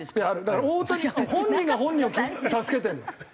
だから大谷本人が本人を助けてるの。